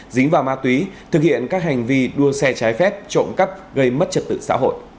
dính vào ma túy thực hiện các hành vi đua xe trái phép trộm cắp gây mất trật tự xã hội